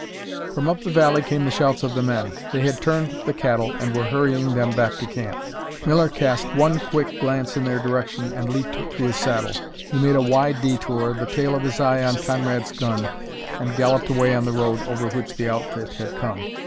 From up the valley came the shouts of the men. They had turned the cattle and were hurrying them back to camp. Miller cast one quick glance in their direction, and leaped to his saddle. He made a wide detour, the tail of his eye on Conrad's gun, and galloped away on the road over which the outfit had come.